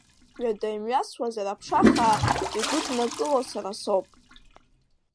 Ҩада имҩасуазар аԥшахаа, игәыднакыло сара соуп.